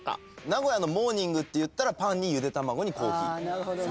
名古屋のモーニングっていったらパンにゆで玉子にコーヒー。